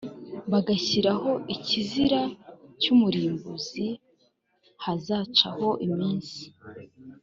bagashyiraho ikizira cy umurimbuzi hazacaho iminsi